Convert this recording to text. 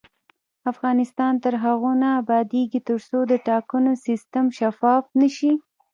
افغانستان تر هغو نه ابادیږي، ترڅو د ټاکنو سیستم شفاف نشي.